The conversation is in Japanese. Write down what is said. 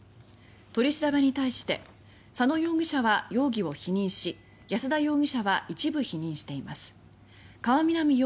取り調べに対し佐野容疑者は容疑を否認し安田容疑者は一部否認しています。